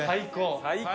最高！